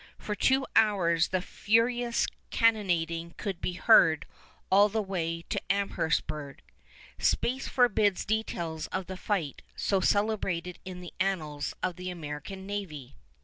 For two hours the furious cannonading could be heard all the way up to Amherstburg. Space forbids details of the fight so celebrated in the annals of the American navy.